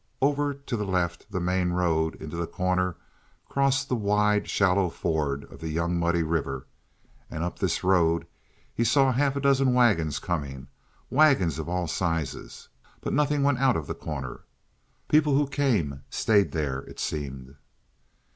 Over to the left the main road into The Corner crossed the wide, shallow ford of the Young Muddy River and up this road he saw half a dozen wagons coming, wagons of all sizes; but nothing went out of The Corner. People who came stayed there, it seemed.